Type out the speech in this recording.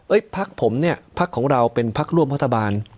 โอ๊ยภักดิ์ผมเนี่ยภักดิ์ของเราเป็นภักดิ์ร่วมรัฐบาล